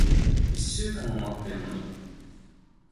一週間も待ってるのに。